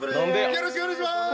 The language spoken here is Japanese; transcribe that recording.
よろしくお願いします！